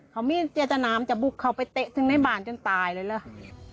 เขามีเจตนามจะบุกเข้าไปเตะถึงในบ้านจนตายเลยเหรอ